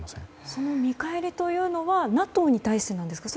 その見返りというのはＮＡＴＯに対してなんですか？